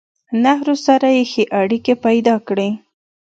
نهرو سره يې ښې اړيکې پېدا کړې